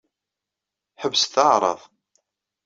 Ḥebset aɛṛaḍ.